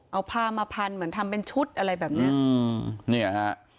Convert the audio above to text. เอาผ้ามาพันเหมือนทำเป็นชุดอะไรแบบเนี้ยอืมเนี่ยฮะ